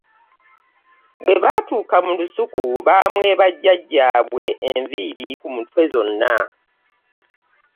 Bwe batuuka mu lusuku bamwebwa jajjaabwe enviiri ku mitwe zonna.